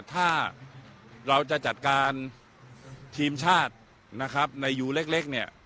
ถ้าเราจะจัดการทีมชาตินะครับในยูเล็กเนี่ย